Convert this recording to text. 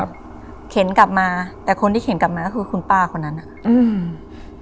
เข็นกลับมาแต่คนที่เข็นกลับมาก็คือคุณป้าคนนั้นอ่ะอืม